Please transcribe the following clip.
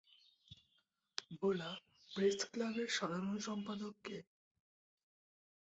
ভোলা প্রেসক্লাবের সাধারণ সম্পাদক কে?